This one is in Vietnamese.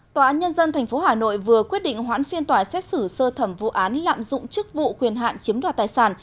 tòa án nhân dân tp hà nội vừa quyết định hoãn phiên tòa xét xử sơ thẩm vụ án lạm dụng chức vụ quyền hạn chiếm đoạt tài sản